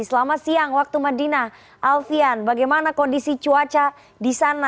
selamat siang waktu medina alfian bagaimana kondisi cuaca di sana